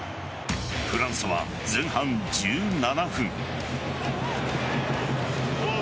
フランスは前半１７分。